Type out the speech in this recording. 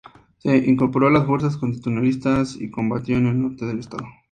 Se incorporó a las fuerzas constitucionalistas y combatió en el norte del estado.